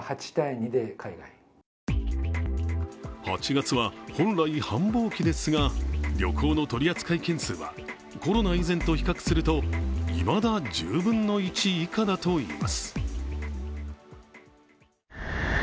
８月は本来繁忙期ですが、旅行の取り扱い件数はコロナ以前と比較するといまだ１０分の１以下だといいます。